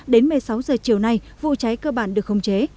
đến một mươi sáu h chiều nay vụ cháy cơ bản được khống chế